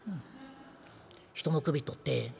『人の首取って』。